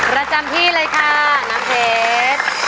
ประจำที่เลยค่ะน้ำเพชร